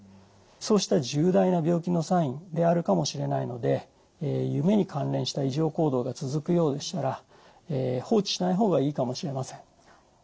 そうした重大な病気のサインであるかもしれないので夢に関連した異常行動が続くようでしたら放置しない方がいいかもしれません。